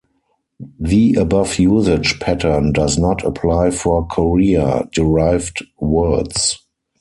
The above usage pattern does not apply for Korea-derived words.